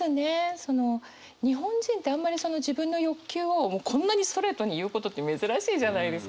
その日本人ってあんまり自分の欲求をこんなにストレートに言うことって珍しいじゃないですか。